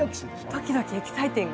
ドキドキエキサイティング！